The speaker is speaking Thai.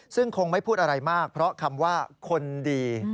ซึ่งคงไม่พูดอะไรมากเพราะคำว่าคนดี